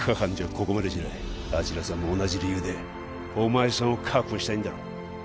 ここまでしないあちらさんも同じ理由でお前さんを確保したいんだろ